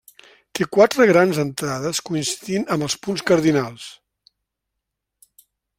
Té quatre grans entrades coincidint amb els punts cardinals.